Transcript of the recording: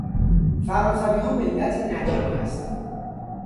فرانسوی ها ملت نجیبی هستند